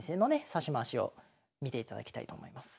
指し回しを見ていただきたいと思います。